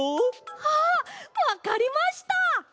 あっわかりました！